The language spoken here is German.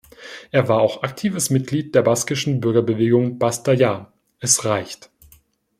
Er war auch aktives Mitglied der baskischen Bürgerbewegung ¡Basta Ya! 'Es reicht'.